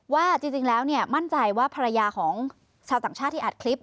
ว่าจริงแล้วมั่นใจว่าภรรยาของชาวต่างชาติที่อัดคลิป